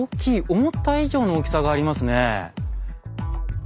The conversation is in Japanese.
思った以上の大きさがありますね。